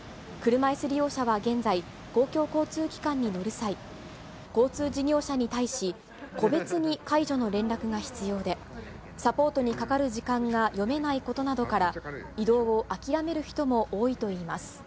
車いす利用者は現在、公共交通機関に乗る際、交通事業者に対し、個別に介助の連絡が必要で、サポートにかかる時間が読めないことなどから、移動を諦める人も多いといいます。